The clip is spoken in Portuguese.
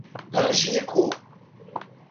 Angico